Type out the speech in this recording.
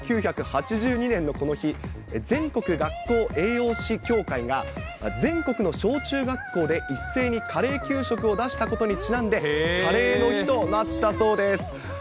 １９８２年のこの日、全国学校栄養士協議会が全国の小中学校で一斉にカレー給食を出したことにちなんで、カレーの日となったそうです。